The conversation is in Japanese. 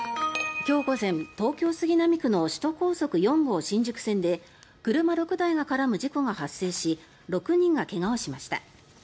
今日午前、東京・杉並区の首都高４号線新宿線で車６台が絡む事故が発生し６人が怪我をしました。